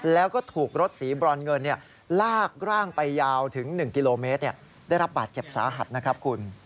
แล้วก็ถูกรถสีบรอนเงินลากร่างไปยาวถึง๑กิโลเมตรได้รับบาดเจ็บสาหัสนะครับคุณ